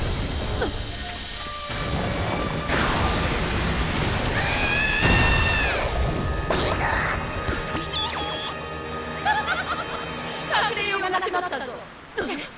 ハハハ隠れようがなくなったぞ。